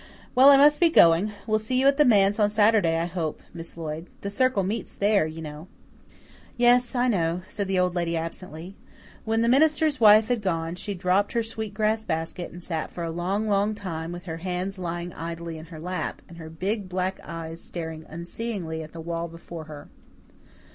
Well, I must be going; we'll see you at the Manse on Saturday, I hope, Miss Lloyd. The Circle meets there, you know." "Yes, I know," said the Old Lady absently. When the minister's wife had gone, she dropped her sweetgrass basket and sat for a long, long time with her hands lying idly in her lap, and her big black eyes staring unseeingly at the wall before her.